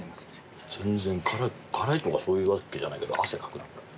全然辛いとかそういうわけじゃないけど汗かくな。